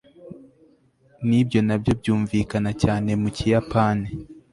nibyo nabyo byumvikana cyane mu kiyapani